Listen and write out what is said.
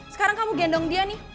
sekarang kamu gendong dia nih